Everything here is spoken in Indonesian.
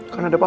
kan ada papa